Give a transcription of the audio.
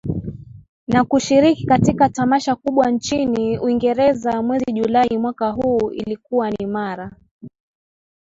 na kushiriki katika Tamasha kubwa nchini Uingereza mwezi Julai mwaka huu Ilikuwa ni mara